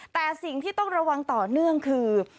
แต่สิ่งที่ต้องระวังต่อเนื่องคือ